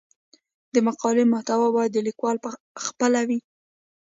د مقالې محتوا باید د لیکوال خپل وي.